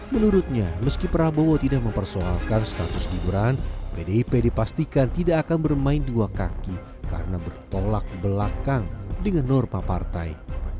menurutnya meski prabowo tidak mempersoalkan status gibran pdip dipastikan tidak akan bermain dua kaki karena bertolak belakang dengan norma partai